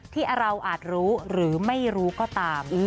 ที่เราอาจรู้หรือไม่รู้ก็ตาม